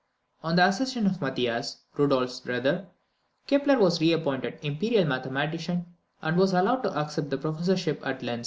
On the accession of Mathias, Rudolph's brother, Kepler was re appointed imperial mathematician, and was allowed to accept the professorship at Linz.